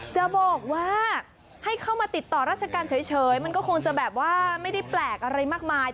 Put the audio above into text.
จะบอกว่าให้เข้ามาติดต่อราชการเฉยมันก็คงจะแบบว่าไม่ได้แปลกอะไรมากมาย